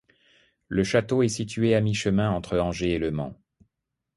Le château est situé à mi-chemin entre Angers et Le Mans.